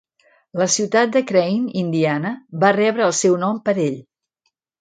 La ciutat de Crane, Indiana va rebre el seu nom per ell.